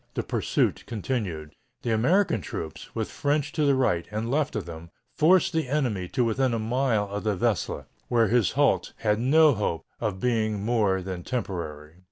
The "pursuit" continued. The American troops, with French to the right and left of them, forced the enemy to within a mile of the Vesle, where his halt had no hope of being more than temporary.